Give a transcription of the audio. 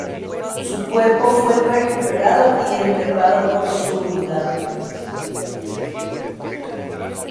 Su cuerpo fue recuperado y enterrado por su unidad.